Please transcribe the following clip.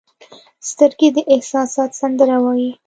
سترګې د احساسات سندره وایي